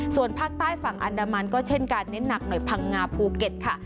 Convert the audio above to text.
ส่วนภาคใต้ฝั่งอันดามันก็เช่นกันเน้นหนักหน่อยพังงาภูเก็ตค่ะ